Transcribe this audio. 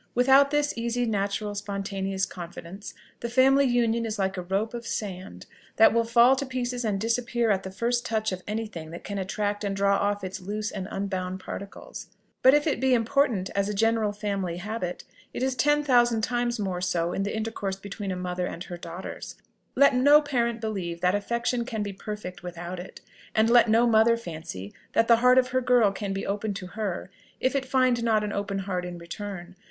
Without this easy, natural spontaneous confidence, the family union is like a rope of sand, that will fall to pieces and disappear at the first touch of any thing that can attract and draw off its loose and unbound particles. But if it be important as a general family habit, it is ten thousand times more so in the intercourse between a mother and her daughters. Let no parent believe that affection can be perfect without it; and let no mother fancy that the heart of her girl can be open to her if it find not an open heart in return.